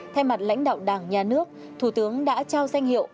thay mặt lãnh đạo đảng nhà nước thủ tướng đã trao danh hiệu